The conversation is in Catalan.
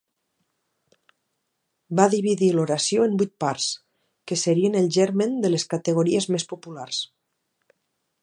Va dividir l'oració en vuit parts, que serien el germen de les categories més populars.